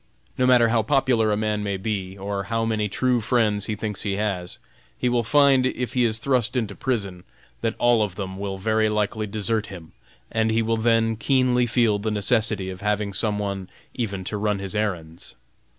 No matter how popular a man may be, or how many true friends he thinks he has, he will find if he is thrust into prison, that all of them will very likely desert him, and he will then keenly feel the necessity of having some one even to run his errands.